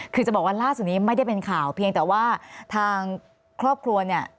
คือจะบอกว่าล่าสุดนี้ไม่ได้เป็นข่าวเพียงแต่ว่าทางครอบครัวเนี่ย